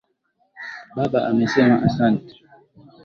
Baba amesema asante.